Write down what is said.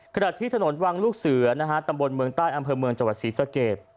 ขณะที่ถนนวังลูกเสือตำบลเมืองใต้อำเภอเมืองจังหวัดศรีสเกต